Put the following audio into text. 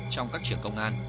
trong các trường công an